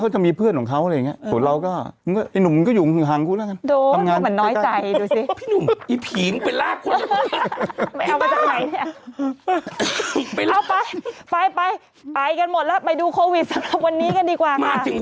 อุ๊ยพี่เป็นติดเนื้อก็ได้อ่ะอ่ะ